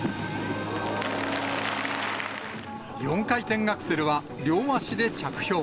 ４回転アクセルは両足で着氷。